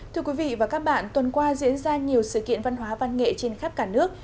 thưa quý vị và các bạn tuần qua diễn ra nhiều sự kiện văn hóa văn nghệ trên khắp cả nước